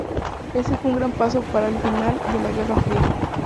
Ese fue un gran paso para el final de la Guerra Fría.